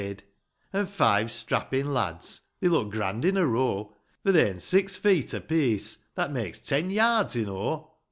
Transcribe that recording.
1 45 An' five strappin' lads — They looked grand in a row, For they'rn six feet apiece — That makes ten yards in o' !